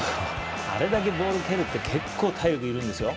あれだけボール蹴るって結構、体力いるんですよ。